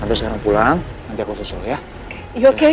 anda sekarang pulang nanti aku susul ya